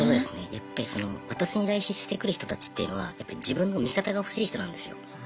やっぱりその私に依頼してくる人たちっていうのはやっぱ自分の味方が欲しい人なんですよ。